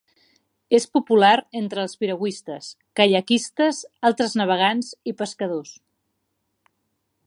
És popular entre els piragüistes, caiaquistes, altres navegants i pescadors.